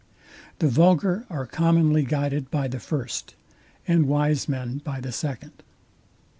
The vulgar are commonly guided by the first, and wise men by the second.